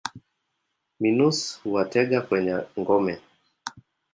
Minus huwatega kwenye ngome.